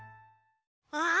ああ！